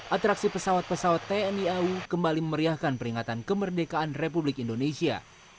atraksi pesawat pesawat tni au kembali memeriahkan peringatan kemerdekaan republik indonesia